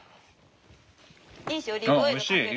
ニーシオリーブオイルかける？